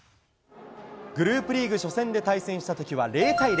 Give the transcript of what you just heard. グループリーグ初戦で対戦したときは０対０。